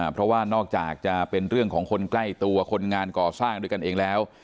เพราะว่านอกจากจะเป็นเรื่องของคนใกล้ตัวคนงานก่อสร้างด้วยกันเองแล้ว